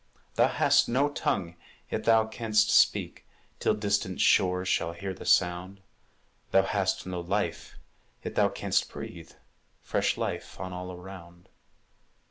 Thou hast no tongue, yet thou canst speak, Till distant shores shall hear the sound; Thou hast no life, yet thou canst breathe Fresh life on all around.